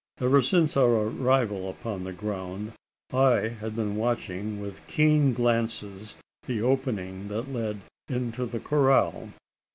Ever since our arrival upon the ground, I had been watching with keen glances the opening that led into the corral.